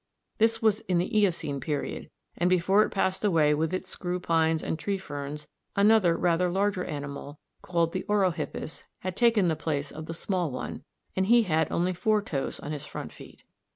This was in the Eocene period, and before it passed away with its screw pines and tree ferns, another rather larger animal, called the Orohippus, had taken the place of the small one, and he had only four toes on his front feet.